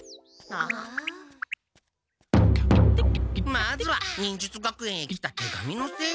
まずは忍術学園へ来た手紙の整理から！